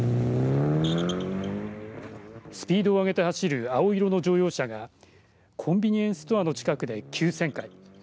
スピードを上げて走る青色の乗用車がコンビニエンスストアの近くで急旋回。